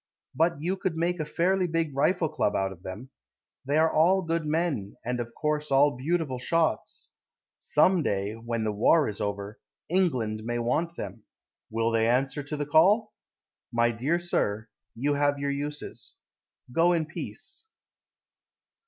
But you could make a fairly big rifle club out of them. They are all good men, And of course all beautiful shots. Some day (When the war is over) England may want them. Will they answer to the call? My dear Sir, You have your uses. Go in peace.